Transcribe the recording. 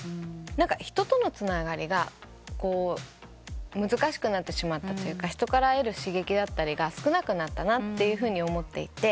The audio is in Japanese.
人とのつながりが難しくなってしまったというか人から得る刺激だったりが少なくなったなって思っていて。